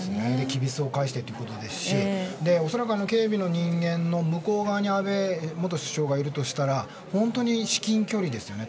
きびすを返してということですし恐らく警備の人間の向こう側に安倍元首相がいるとしたら本当に至近距離ですよね。